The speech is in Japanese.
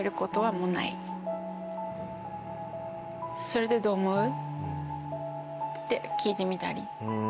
「それでどう思う？」って聞いてみたり。